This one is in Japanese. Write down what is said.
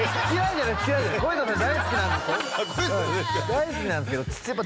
大好きなんですけど。